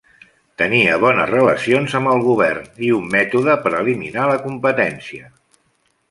Tenia bones relacions amb el govern i un mètode per eliminar la competència.